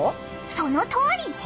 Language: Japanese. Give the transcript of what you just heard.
そのとおり！